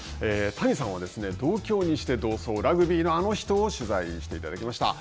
谷さんは同郷に同窓、ラグビーのあの人を取材してくれました。